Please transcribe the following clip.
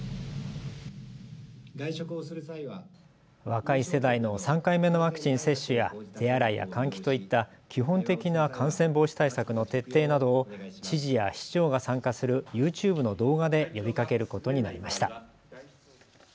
若い世代の３回目のワクチン接種や手洗いや換気といった基本的な感染防止対策の徹底などを知事や市長が参加するＹｏｕＴｕｂｅの動画で呼びかけることになりました。